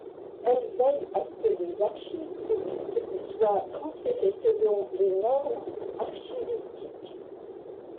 Elles veillent à ce que les archives publiques soient transférées selon les normes archivistiques.